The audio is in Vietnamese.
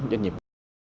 cái quỹ tín dụng bảo lãnh